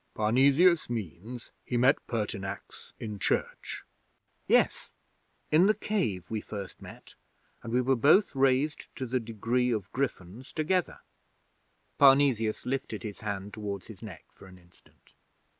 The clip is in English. Parnesius means he met Pertinax in church.' 'Yes in the Cave we first met, and we were both raised to the Degree of Gryphons together.' Parnesius lifted his hand towards his neck for an instant.